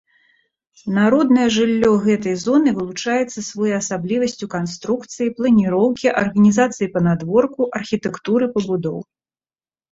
Народнае жыллё гэтай зоны вылучаецца своеасаблівасцю канструкцыі, планіроўкі, арганізацыі панадворку, архітэктуры пабудоў.